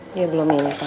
dia belum minta